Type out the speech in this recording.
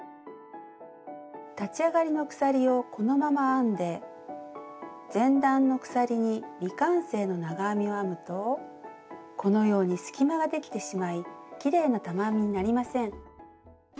立ち上がりの鎖をこのまま編んで前段の鎖に未完成の長編みを編むとこのように隙間ができてしまいきれいな玉編みになりません。